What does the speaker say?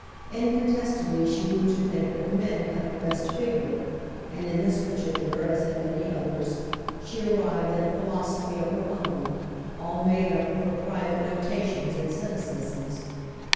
Incontestably she grew to think that the men cut the best figure; and in this particular, as in many others, she arrived at a philosophy of her own, all made up of her private notations and cynicisms.